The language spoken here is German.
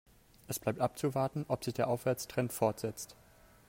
Es bleibt abzuwarten, ob sich der Aufwärtstrend fortsetzt.